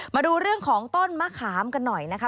มาดูเรื่องของต้นมะขามกันหน่อยนะคะ